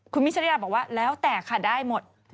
คุณมิ้นท์ชะลายดาบอกว่าแล้วแตกค่ะได้หมด